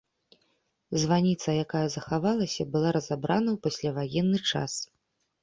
Званіца, якая захавалася, была разабрана ў пасляваенны час.